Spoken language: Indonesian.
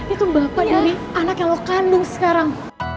itu bapak dari anak yang lok kandung sekarang